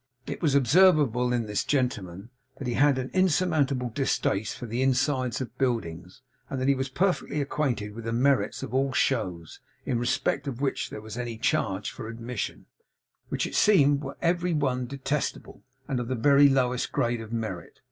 It was observable in this gentleman, that he had an insurmountable distaste to the insides of buildings, and that he was perfectly acquainted with the merits of all shows, in respect of which there was any charge for admission, which it seemed were every one detestable, and of the very lowest grade of merit.